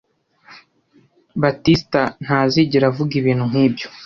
Batista ntazigera avuga ibintu nkibyo.